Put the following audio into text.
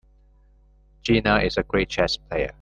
Gina is a great chess player.